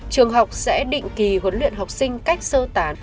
trường học sẽ định kỳ huấn luyện học sinh cách sơ tán